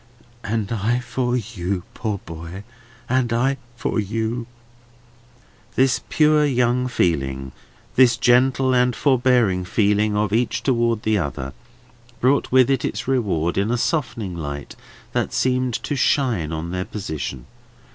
"And I for you, poor boy! And I for you!" This pure young feeling, this gentle and forbearing feeling of each towards the other, brought with it its reward in a softening light that seemed to shine on their position.